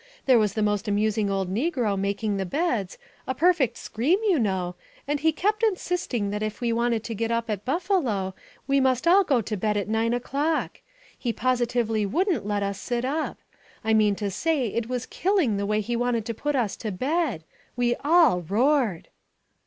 There was the most amusing old negro making the beds, a perfect scream, you know, and he kept insisting that if we wanted to get up at Buffalo we must all go to bed at nine o'clock. He positively wouldn't let us sit up I mean to say it was killing the way he wanted to put us to bed. We all roared!"